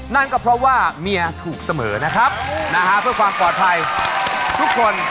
นั่นก็เพราะว่าเมียถูกเสมอนะครับนะฮะเพื่อความปลอดภัยทุกคน